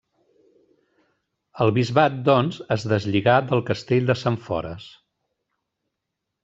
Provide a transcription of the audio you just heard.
El bisbat doncs, es deslligà del castell de Sentfores.